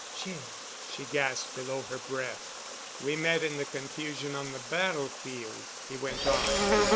"Jim," she gasped below her breath. "We met in the confusion on the battlefield," he went on.